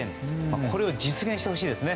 これを実現してほしいですね。